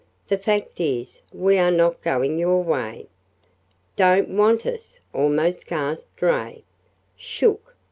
"The fact is, we are not going your way." "Don't want us!" almost gasped Ray. "Shook!"